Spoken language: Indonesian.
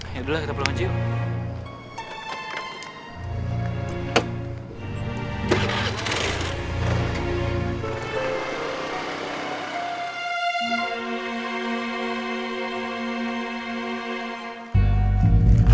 yaudah kita pulang aja yuk